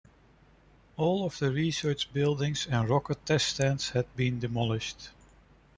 All of the research buildings and rocket test stands had been demolished.